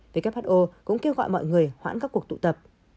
who cũng kêu gọi mọi người hoãn các cuộc tụ tập